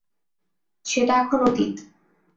সেটা এখন অতীত।